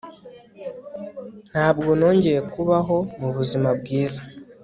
Ntabwo nongeye kubaho mubuzima bwiza